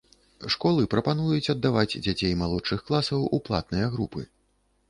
Школы прапануюць аддаваць дзяцей малодшых класаў у платныя групы.